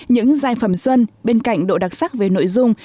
những giải phẩm xuân bên cạnh độ đặc sắc về nội dung